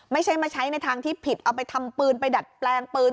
ไม่ใช่มาใช้ในทางที่ผิดเอาไปทำปืนไปดัดแปลงปืน